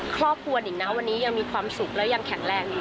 ครอบครัวหนิ่งนะวันนี้ยังมีความสุขและยังแข็งแรงอยู่